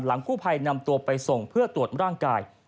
กู้ภัยนำตัวไปส่งเพื่อตรวจร่างกาย